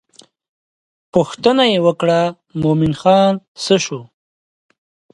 پوښتنه یې وکړه مومن خان څه شو.